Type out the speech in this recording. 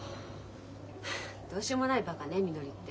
どうしようもないバカねみのりって。